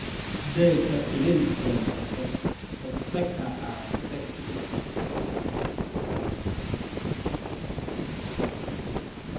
Today, chapulines from Oaxaca are safe to eat.